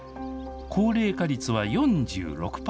高齢化率は４６％。